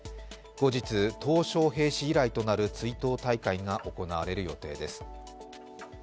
後日、トウ小平氏以来となる追悼大会が行われる予定です。